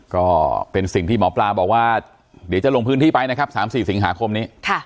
ก็เป็นสิ่งที่หมอปลาบอกว่าเดี๋ยวจะลงพื้นที่ไปนะครับ๓๔สิงหาคมนี้